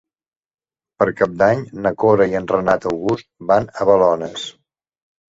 Per Cap d'Any na Cora i en Renat August van a Balones.